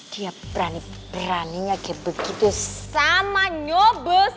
dia berani beraninya kayak begitu sama nyobes